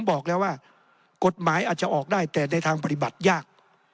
บอกแล้วว่ากฎหมายอาจจะออกได้แต่ในทางปฏิบัติยาก